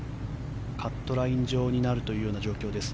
カットライン上になるという状況です。